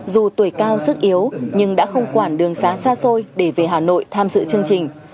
dù tuổi cao sức yếu nhưng đã không quản đường xá xa xôi để về hà nội tham dự chương trình